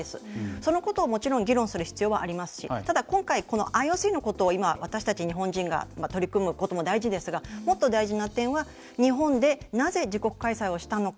そのことをもちろん議論する必要はありますしただ今回、ＩＯＣのことを今私たち日本人が取り組むことも大事ですが、もっと大事な点は日本で、なぜ自国開催をしたのか。